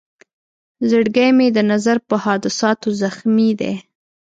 زړګی مې د نظر په حادثاتو زخمي دی.